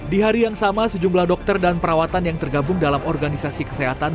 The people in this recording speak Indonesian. di hari yang sama sejumlah dokter dan perawatan yang tergabung dalam organisasi kesehatan